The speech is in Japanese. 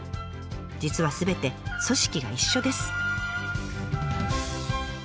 実はすべて組織が一緒です。